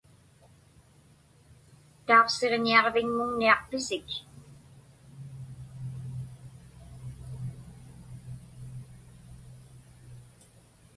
Tauqsiġñiaġviŋmuŋniaqpisik?